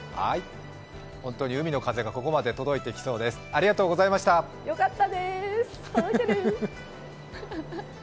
本当に海の風がここまで届いてきそうです。